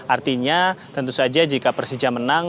artinya tentu saja jika persija menang